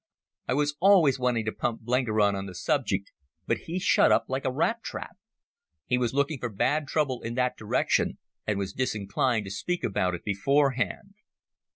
I was always wanting to pump Blenkiron on the subject, but he shut up like a rat trap. He was looking for bad trouble in that direction, and was disinclined to speak about it beforehand.